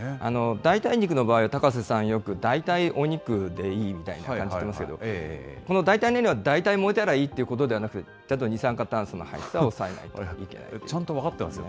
代替肉の場合は高瀬さん、よく、だいたいお肉でいいみたいな感じしてますけど、この代替燃料は、大体燃えたらいいということではなく、二酸化炭素の排出は抑えてちゃんと分かってますよ。